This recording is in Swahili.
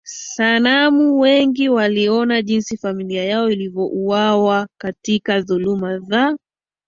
sanamu Wengine waliona jinsi familia yao ilivyouawa katika dhuluma za